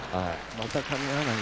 また噛み合わない。